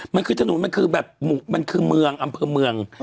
มันคือถนนมันคือแบบมันคือเมืองอำเภอเมือง